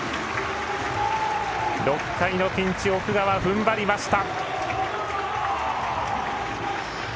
６回のピンチ奥川、ふんばりました。